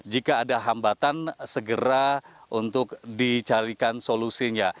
jika ada hambatan segera untuk dicalikan solusinya